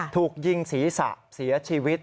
ถูกยิงศีรษะเสียชีวิต